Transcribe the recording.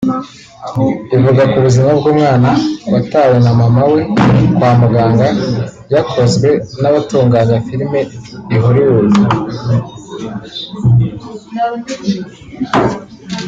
ivuga ku buzima b’umwana watawe na mama we kwa muganga yakozwe n’abatunganya filime i Hollywood